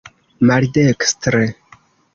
maldekstre